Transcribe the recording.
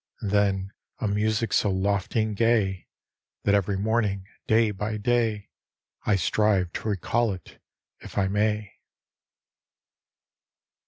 And then a music so lofty and gay, That every morning, day by day, I strive to recall it if I may.